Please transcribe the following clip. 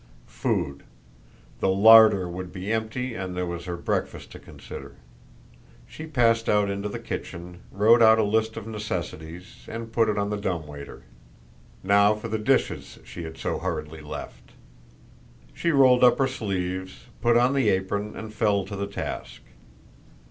Food. The larder would be empty and there was her breakfast to consider. She passed out into the kitchen, wrote out a list of necessities, and put it on the dumb waiter. Now for the dishes she had so hurriedly left. She rolled up her sleeves, put on the apron, and fell to the task.